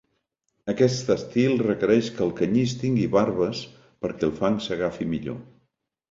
Aquest estil requereix que el canyís tingui barbes perquè el fang agafi millor.